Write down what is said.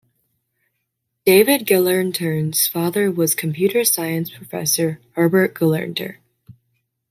David Gelernter's father was computer science professor Herbert Gelernter.